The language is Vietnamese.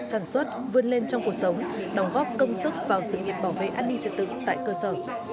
sản xuất vươn lên trong cuộc sống đồng góp công sức vào sự nghiệp bảo vệ an ninh trật tự tại cơ sở